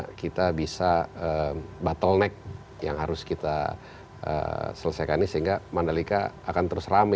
bagaimana kita bisa battle neck yang harus kita selesaikannya sehingga mandalika akan terus ramai